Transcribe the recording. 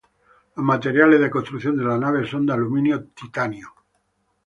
Los materiales de construcción de la nave son de aluminio, titanio.